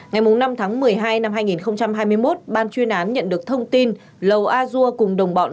ngày năm tháng một mươi hai năm hai nghìn hai mươi một ban chuyên án nhận được thông tin lầu a dua cùng đồng bọn